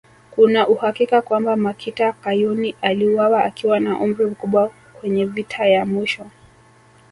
Kuna uhakika kwamba Makita Kayuni aliuawa akiwa na umri mkubwa kwenye vita ya mwisho